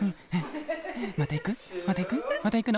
また行く？